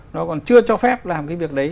nó còn chưa cho phép làm cái việc đấy